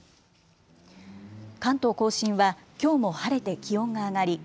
関東甲信はきょうも晴れて気温が上がり